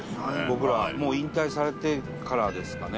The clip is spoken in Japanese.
もう引退されてからですかね。